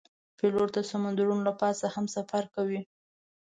پیلوټ د سمندرونو له پاسه هم سفر کوي.